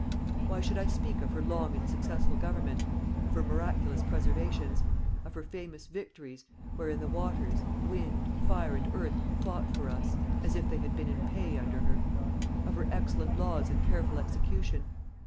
"Why should I speak of her long and successful government, of her miraculous preservations; of her famous victories, wherein the waters, wind, fire and earth fought for us, as if they had been in pay under her; of her excellent laws and careful execution?